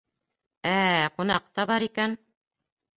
Ә-ә-ә, ҡунаҡ та бар икән.